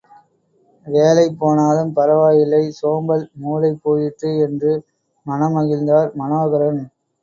வேலை போனாலும் பரவாயில்லை, சோம்பல் மூளை போயிற்றே என்று மனம் மகிழ்ந்தார் மனோகரன்.